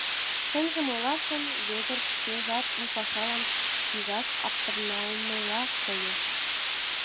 Чынжым ойлаш гын, Вӧдыр шкежат у пашалан пижаш аптыранымыла койо.